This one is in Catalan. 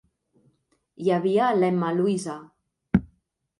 Hi havia l'Emma Louisa.